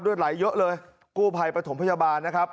ไหลเยอะเลยกู้ภัยปฐมพยาบาลนะครับ